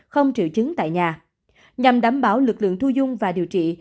không triệu chứng tại nhà nhằm đảm bảo lực lượng thu dung và điều trị